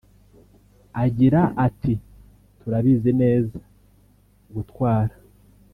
Agira ati "Turabizi neza gutwara